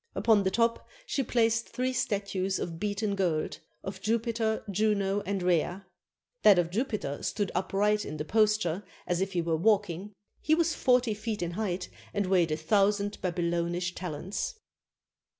Upon the top she placed three statues of beaten gold, of Jupiter, Juno, and Rhea. That of Jupiter stood upright in the posture as if he were walking; he was forty feet in height and weighed a thousand Babylonish talents.